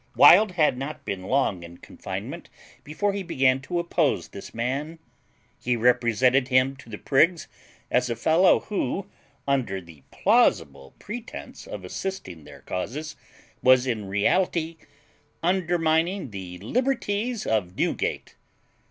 Wild had not been long in confinement before he began to oppose this man. He represented him to the prigs as a fellow who, under the plausible pretence of assisting their causes, was in reality undermining THE LIBERTIES OF NEWGATE.